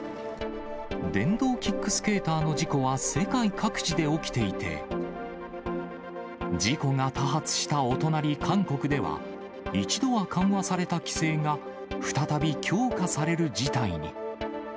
電動キックスケーターの事故は世界各地で起きていて、事故が多発したお隣、韓国では、一度は緩和された規制が再び強化される事態に。